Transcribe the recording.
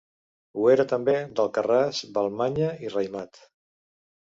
Ho era també d'Alcarràs, Vallmanya i Raïmat.